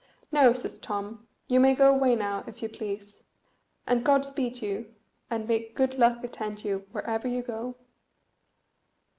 "No," says Tom; "you may go away now, if you please, and God speed you, and may good luck attend you wherever you go."